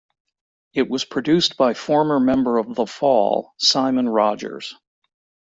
It was produced by former member of The Fall, Simon Rogers.